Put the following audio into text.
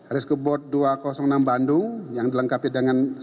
rescue board dua ratus enam bandung yang dilengkapi dengan